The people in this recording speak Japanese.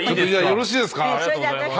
よろしいですか？